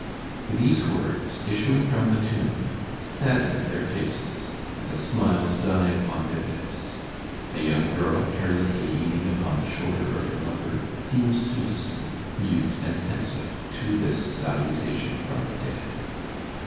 These words, issuing from the tomb, sadden their faces, and the smiles die upon their lips. A young girl, carelessly leaning upon the shoulder of her lover, seems to listen, mute and pensive, to this salutation from the dead.